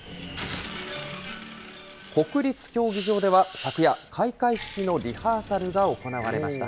国立競技場では昨夜、開会式のリハーサルが行われました。